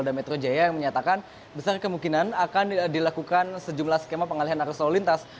polda metro jaya yang menyatakan besar kemungkinan akan dilakukan sejumlah skema pengalihan arus lalu lintas